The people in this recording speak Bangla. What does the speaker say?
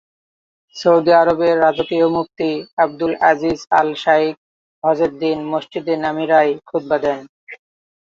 সৌদি আরবের রাজকীয় মুফতি আব্দুল আজিজ আল শাইখ হজের দিন মসজিদে নামিরায় খুতবা দেন।